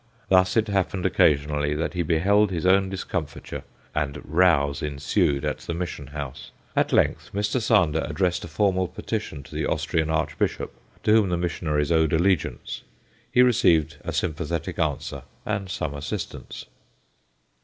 Thus it happened occasionally that he beheld his own discomfiture, and rows ensued at the Mission house. At length Mr. Sander addressed a formal petition to the Austrian Archbishop, to whom the missionaries owed allegiance. He received a sympathetic answer, and some assistance.